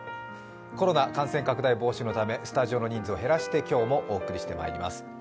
コロナ感染拡大防止のためスタジオの人数を減らして今日もお送りしてまいります。